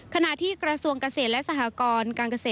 ขณะที่กระทรวงเกษตรและสหกรการเกษตร